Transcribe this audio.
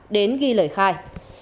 đến ghi lời khai